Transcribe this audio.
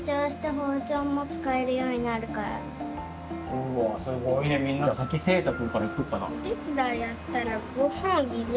うわすごいねみんな先せいたくんから聞こっかな。